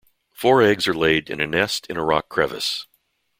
Four eggs are laid in a nest in a rock crevice.